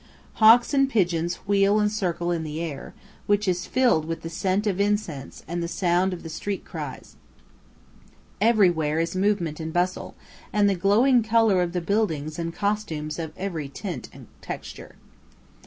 Hawks and pigeons wheel and circle in the air, which is filled with the scent of incense and the sound of the street cries. Everywhere is movement and bustle, and the glowing colour of the buildings and costumes of every tint and texture.